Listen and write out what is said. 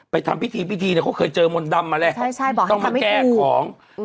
ไปทำพิธีเขาเคยเจอมนตร์ดำอะไรต้องมาแก้ของ